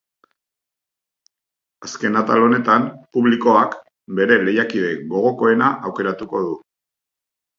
Azken atal honetan, publikoak bere lehiakide gogokoena aukeratuko du.